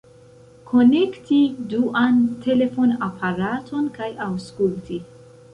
Konekti duan telefonaparaton kaj aŭskulti.